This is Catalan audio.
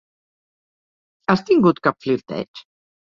Has tingut cap flirteig?